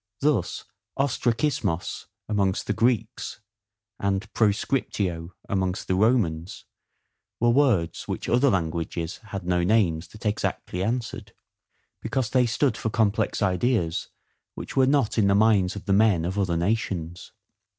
Thus ostrakismos amongst the Greeks, and proscriptio amongst the Romans, were words which other languages had no names that exactly answered; because they stood for complex ideas which were not in the minds of the men of other nations.